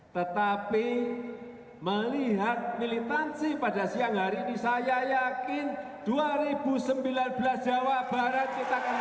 tetapi melihat militansi pada siang hari ini saya yakin dua ribu sembilan belas jawa barat kita akan